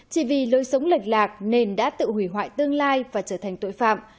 chỉ vì lối sống lệch lạc nên đã tự hủy hoại tương lai và trở thành tội phạm